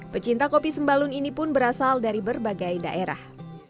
pecinta kopi sembalun ini pun berasal dari berbagai daerah